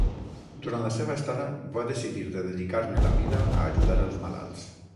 Durant la seva estada, va decidir de dedicar-ne la vida a ajudar els malalts.